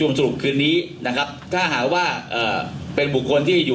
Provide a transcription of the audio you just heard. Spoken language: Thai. เหลือข้อบูคคลที่หาของส่วนชุมสรุป